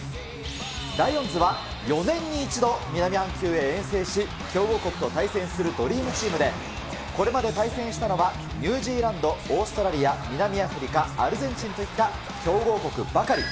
ライオンズは４年に１度、南半球へ遠征し、強豪国と対戦するドリームチームで、これまで対戦したのは、ニュージーランド、オーストラリア、南アフリカ、アルゼンチンといった強豪国ばかり。